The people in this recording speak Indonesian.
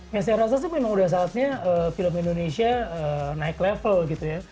ya saya rasa sih memang udah saatnya film indonesia naik level gitu ya